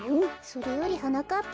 それよりはなかっ